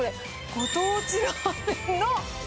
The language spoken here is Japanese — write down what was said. ご当地ラーメンの。